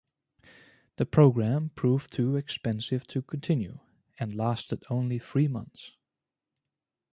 The program proved too expensive to continue and lasted only three months.